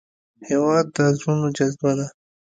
هېواد د زړونو جذبه ده.